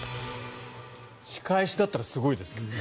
仕返しだったらすごいですけどね。